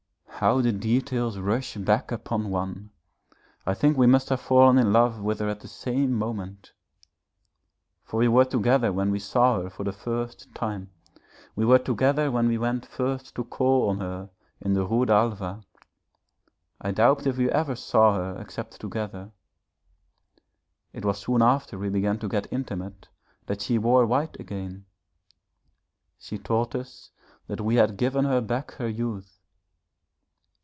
How the details rush back upon one! I think we must have fallen in love with her at the same moment for we were together when we saw her for the first time, we were together when we went first to call on her in the Rue d'Alva I doubt if we ever saw her except together. It was soon after we began to get intimate that she wore white again. She told us that we had given her back her youth.